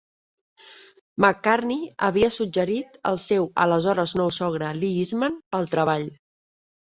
McCartney havia suggerit el seu aleshores nou sogre Lee Eastman pel treball.